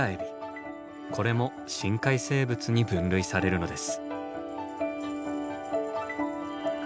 これも深海生物に分類されるのです。